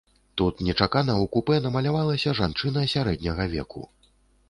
Тут нечакана ў купэ намалявалася жанчына сярэдняга веку.